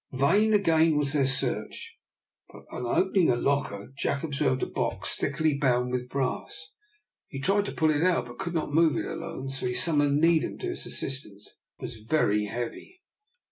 Vain again was their search, but on opening a locker Jack observed a box thickly bound with brass. He tried to pull it out, but could not move it alone, so he summoned Needham to his assistance. It was very heavy.